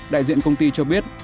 đại diện công ty cho biết